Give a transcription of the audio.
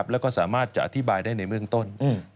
แล้วก็สามารถจะอธิบายได้ในเบื้องต้น